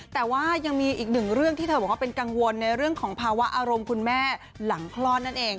แต่ว่ายังมีอีกหนึ่งเรื่องที่เธอบอกว่าเป็นกังวลในเรื่องของภาวะอารมณ์คุณแม่หลังคลอดนั่นเอง